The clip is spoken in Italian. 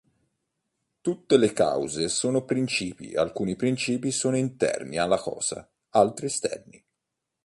Tutte le cause sono principi e alcuni principi sono interni alla cosa, altri esterni.